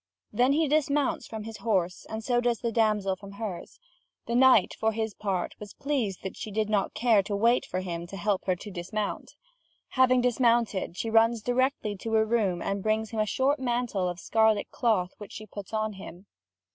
Then he dismounts from his horse, as does the damsel from hers. The knight, for his part, was pleased that she did not care to wait for him to help her to dismount. Having dismounted, she runs directly to a room and brings him a short mantle of scarlet cloth which she puts on him.